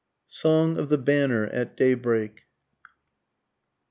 SONG OF THE BANNER AT DAYBREAK.